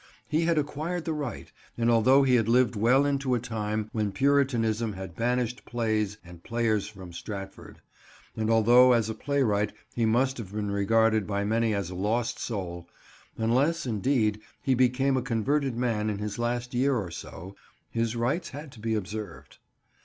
He had acquired the right, and although he had lived well into a time when puritanism had banished plays and players from Stratford, and although as a playwright he must have been regarded by many as a lost soul—unless, indeed, he became a converted man in his last year or so—his rights had to be observed.